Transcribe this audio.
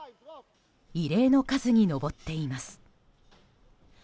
異例の数に上っています。